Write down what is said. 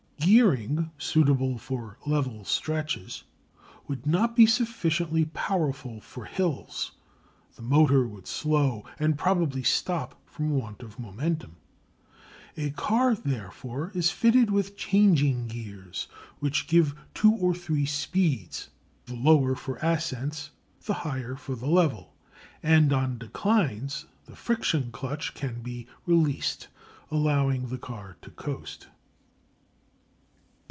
Gearing suitable for level stretches would not be sufficiently powerful for hills: the motor would slow and probably stop from want of momentum. A car is therefore fitted with changing gears, which give two or three speeds, the lower for ascents, the higher for the level: and on declines the friction clutch can be released, allowing the car to "coast."